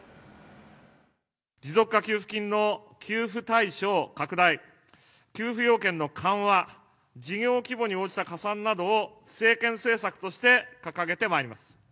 持続化給付金の給付対象拡大、給付要件の緩和、事業規模に応じた加算などを政権政策として掲げてまいります。